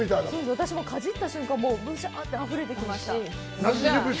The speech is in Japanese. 私もかじった瞬間、ブシャーってあふれてきました。